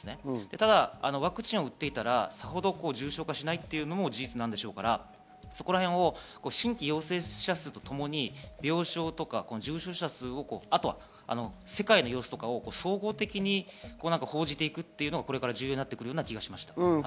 ただワクチンを打っていたら、さほど重症化しないというのも事実でしょうから、そこらへんを新規陽性者数とともに病床とか重症者数、あとは世界の様子とかを総合的に報じていくというのがこれから重要になってくる気がしました。